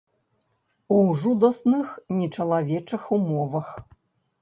У жудасных нечалавечых умовах.